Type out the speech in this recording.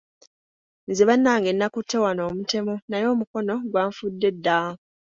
Nze bannange nakutte wano omutemu, naye omukono gwanfudde dda.